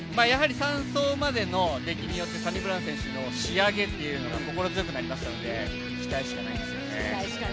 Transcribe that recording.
３走までの出来によってサニブラウン選手の仕上げっていうのが心強くなりましたので、期待しかないですね。